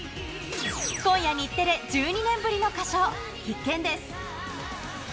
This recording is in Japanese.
今夜、日テレ１２年ぶりの歌唱、必見です。